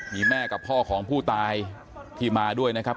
มีแม่กับพ่อของผู้ตายที่มาด้วยนะครับ